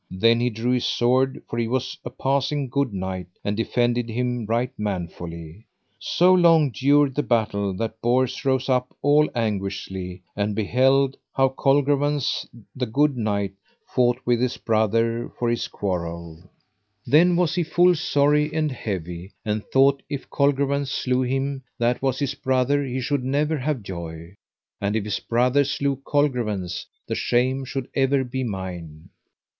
Then he drew his sword, for he was a passing good knight, and defended him right manfully. So long dured the battle that Bors rose up all anguishly, and beheld [how] Colgrevance, the good knight, fought with his brother for his quarrel; then was he full sorry and heavy, and thought if Colgrevance slew him that was his brother he should never have joy; and if his brother slew Colgrevance the shame should ever be mine.